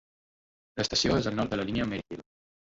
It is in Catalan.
L'estació és al nord de la línia Maryhill.